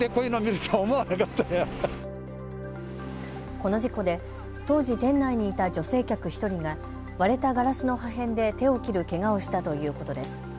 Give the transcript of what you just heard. この事故で当時、店内にいた女性客１人が割れたガラスの破片で手を切るけがをしたということです。